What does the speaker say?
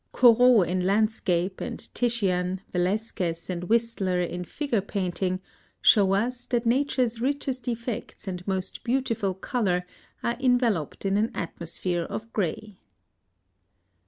Corot in landscape, and Titian, Velasquez, and Whistler in figure painting, show us that Nature's richest effects and most beautiful color are enveloped in an atmosphere of gray.